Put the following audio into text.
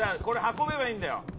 これ運べばいいんだよ。